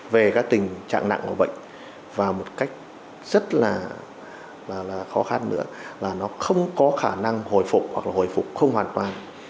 về các tình trạng nặng của bệnh và một cách rất là khó khăn nữa là nó không có khả năng hồi phục hoặc là hồi phục không hoàn toàn